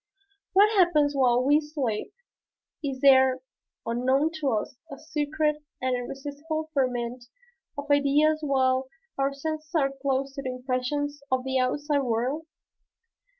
What happens while we sleep? Is there, unknown to us, a secret and irresistible ferment of ideas while our senses are closed to the impressions of the outside world?